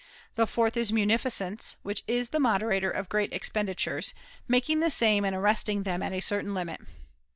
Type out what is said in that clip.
The fourth is munificence, which is the moderator of great expenditures, making the same and arresting them at a certain limit.